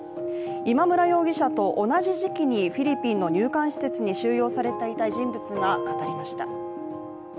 今村容疑者と同じ時期にフィリピンの入管施設に収容されていた人物が語りました。